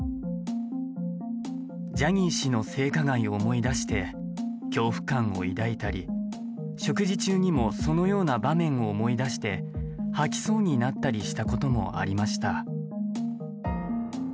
ジャニー氏の性加害を思い出して恐怖感を抱いたり食事中にもそのような場面を思い出して吐きそうになったりしたこともありました。